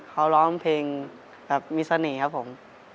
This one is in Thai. เขาร้องเพลงแบบมีเสน่ห์ครับผม